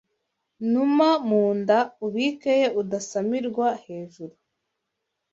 Numa mu nda ubikeyo Udasamirwa hejuru